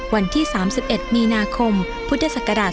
วันที่๓๑มีนาคมพุทธศักราช๒๕